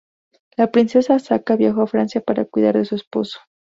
La princesa Asaka viajó a Francia para cuidar de su esposo.